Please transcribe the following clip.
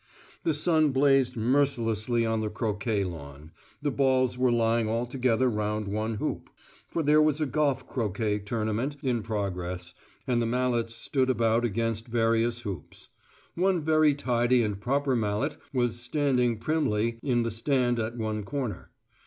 The sun blazed mercilessly on the croquet lawn; the balls were lying all together round one hoop: for there was a golf croquet tournament in progress, and the mallets stood about against various hoops; one very tidy and proper mallet was standing primly in the stand at one corner.